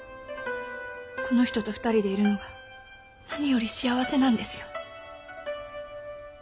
この人と２人でいるのがなにより幸せなんですよ。